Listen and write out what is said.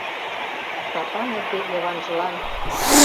Сапан эрге Йыванжылан